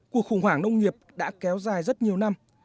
cuộc khủng hoảng nông nghiệp đã kéo dài rất nhiều năm